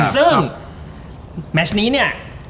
ซึ่งแมชนี้เนี่ย